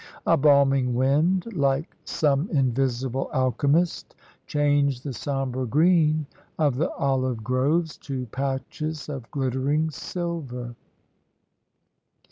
A balmy wind, like some invisible alchemist, changed the sombre green of the olive groves to patches of glittering silver.